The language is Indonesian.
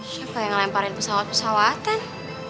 siapa yang lemparin pesawat pesawatan